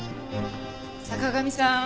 坂上さん